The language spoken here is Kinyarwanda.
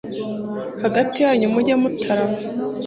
hagati yanyu muge mutarama